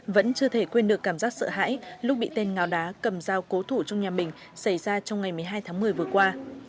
vẫn chưa thể quên được cảm giác sợ hãi lúc bị tên ngáo đá cầm dao cố thủ trong nhà mình xảy ra trong ngày một mươi hai tháng một mươi vừa qua